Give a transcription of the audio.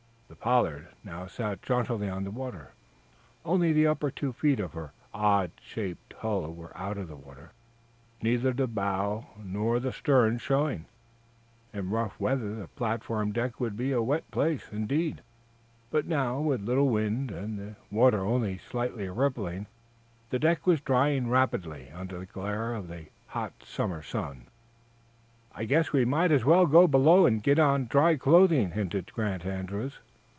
The "Pollard" now sat jauntily on the water. Only the upper two feet of her oddly shaped hull were out of water, neither the bow nor stern showing. In rough weather the platform deck would be a wet place, indeed; but now, with little wind, and the water only slightly rippling, the deck was drying rapidly under the glare of the hot summer sun. "I guess we might as well go below and get on dry clothing," hinted Grant Andrews.